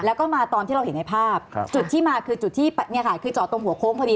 แล้วก็มาตอนที่เราเห็นในภาพจุดที่มาคือจอดตรงหัวโค้งพอดี